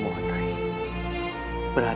jagalah dirimu dengan rai